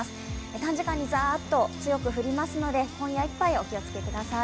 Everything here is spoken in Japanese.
短時間にザーッと強く降りますので、今夜いっぱいお気をつけください。